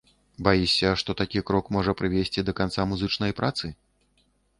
Баішся, што такі крок можа прывесці да канца музычнай працы?